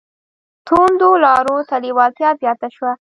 توندو لارو ته لېوالتیا زیاته شوه